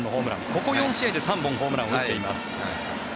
ここ４試合で３本ホームランを打っています。